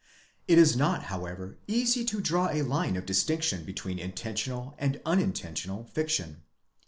It is not however easy to draw a line of distinction between intentional and unintentional fiction.